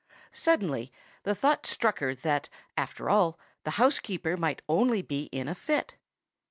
Suddenly the thought struck her that, after all, the housekeeper might only be in a fit.